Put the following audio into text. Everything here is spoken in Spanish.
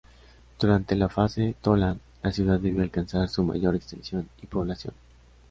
Durante la Fase Tollan, la ciudad debió alcanzar su mayor extensión y población.